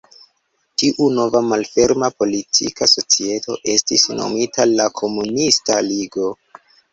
Tiu nova malferma politika societo estis nomita la Komunista Ligo.